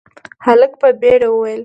هلک په بيړه وويل: